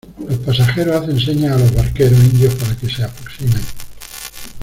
los pasajeros hacen señas a los barqueros indios para que se aproximen: